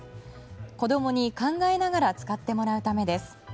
子供に考えながら使ってもらうためです。